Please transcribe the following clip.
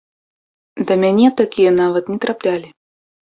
Да мяне такія нават не траплялі.